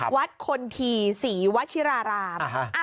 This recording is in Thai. วัดคนทีศรีวชิราราม